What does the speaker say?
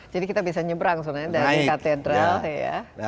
jadi kita bisa nyebrang sebenarnya dari katedral